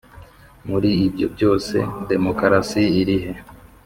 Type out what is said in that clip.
muri ibyo byose se demokarasi iri he